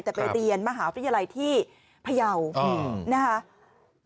แต่ไปเรียนมหาวิทยาลัยที่พยาวนะคะ